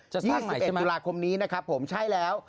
จะสร้างใหม่ใช่ไหม๒๑ตุลาคมนี้นะครับผมใช่แล้ว